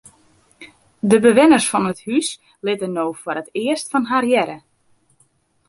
De bewenners fan it hús litte no foar it earst fan har hearre.